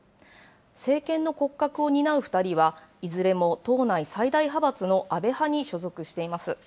政権の骨格を担う２人は、いずれも党内最大派閥の安倍派に所属しています。